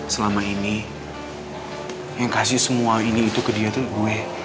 selama ini yang kasih semua ini itu ke dia itu gue